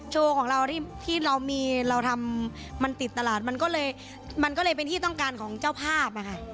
โชว์ของเราที่เรามีเราทำมันติดตลาดมันก็เลยมันก็เลยเป็นที่ต้องการของเจ้าภาพอะค่ะ